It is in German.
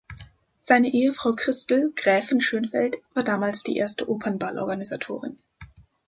Seine Ehefrau Christl „Gräfin“ Schönfeldt war damals die erste Opernball-Organisatorin.